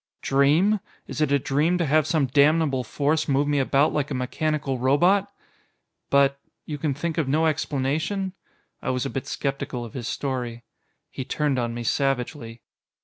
"Dream! Is it a dream to have some damnable force move me about like a mechanical robot?" "But.... You can think of no explanation?" I was a bit skeptical of his story. He turned on me savagely.